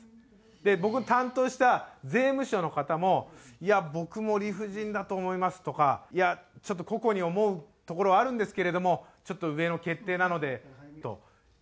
僕を担当した税務署の方も「いや僕も理不尽だと思います」とか「いやちょっと個々に思うところはあるんですけれどもちょっと上の決定なので」と言われました。